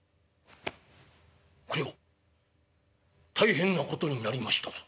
これは大変なことになりましたぞ」。